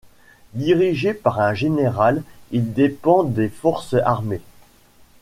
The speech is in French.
Dirigé par un général, il dépend des Forces armées.